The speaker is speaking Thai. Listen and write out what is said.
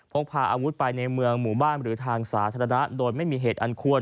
พกพาอาวุธไปในเมืองหมู่บ้านหรือทางสาธารณะโดยไม่มีเหตุอันควร